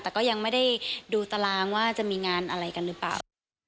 แต่ก็ยังไม่ได้ดูตารางว่าจะมีงานอะไรกันหรือเปล่า